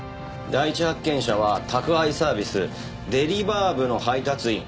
第一発見者は宅配サービスデリバー部の配達員。